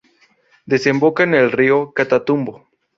Desemboca en el río Catatumbo.